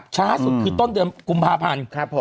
ช้าสุดคือต้นเดือนกุมภาพันธ์